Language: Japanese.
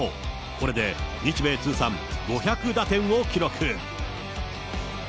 これで日米通算５００打点を記録。